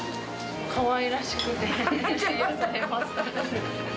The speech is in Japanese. かわいらしくて、癒やされます。